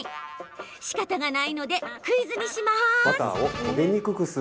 しかたがないのでクイズにします。